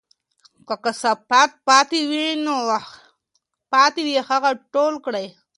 که کثافات پاتې وي، هغه ټول کړئ.